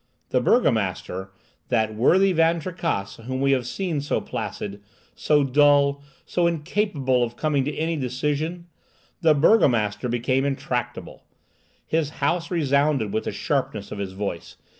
The burgomaster—that worthy Van Tricasse whom we have seen so placid, so dull, so incapable of coming to any decision— the burgomaster became intractable. His house resounded with the sharpness of his voice.